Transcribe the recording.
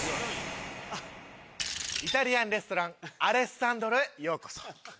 イタリアンレストランアレッサンドロへようこそ。